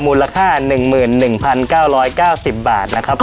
มูลค่า๑๑๙๙๐บาทนะครับ